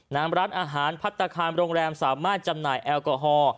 น้ำร้านอาหารพัฒนาคารโรงแรมสามารถจำหน่ายแอลกอฮอล์